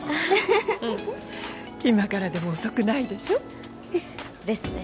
うん今からでも遅くないでしょですね